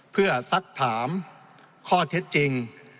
เพื่อสักถามข้อเท็จจริง